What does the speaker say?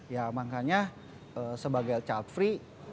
ya makanya sebagai child free